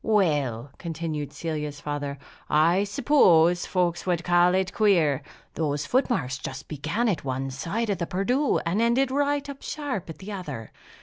"Well," continued Celia's father, "I suppose folks would call it queer! Those foot marks just began at one side of the Perdu, and ended right up sharp at the other.